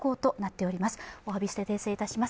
おわびして訂正いたします。